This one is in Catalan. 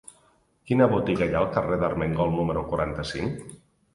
Quina botiga hi ha al carrer d'Armengol número quaranta-cinc?